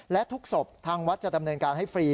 และทุกศพทางวัดจะดำเนินการให้ฟรี